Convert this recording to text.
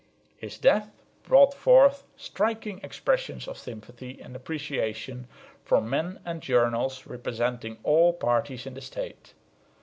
His death brought forth striking expressions of sympathy and appreciation from men and journals representing all parties in the State.